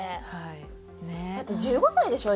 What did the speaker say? だって１５歳でしょ？